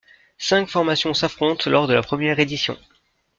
Cinq formations s'affrontent lors de la première édition.